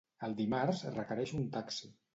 El dimarts requereixo un taxi.